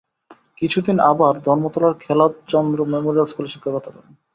কিছুদিন আবার ধর্মতলার খেলাৎচন্দ্র মেমোরিয়াল স্কুলে শিক্ষকতা করেন।